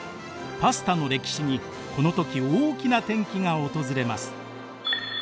パスタの歴史にこの時大きな転機が訪れます。